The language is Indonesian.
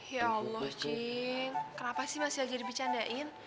ya allah cin kenapa sih masih aja dibicandain